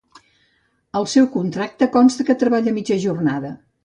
Al seu contracte consta que treballa a mitja jornada.